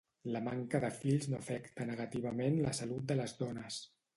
La manca de fills no afecta negativament la salut de les dones.